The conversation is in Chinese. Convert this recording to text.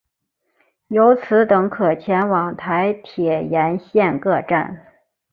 由此等可前往台铁沿线各站。